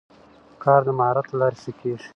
کار د مهارت له لارې ښه کېږي